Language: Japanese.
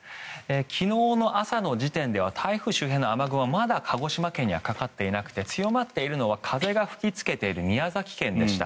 昨日の朝の時点では台風周辺の雨雲はまだ鹿児島県にはかかっていなくて強くなっているのは風が吹きつけている宮崎県でした。